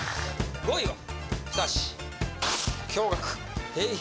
５位は。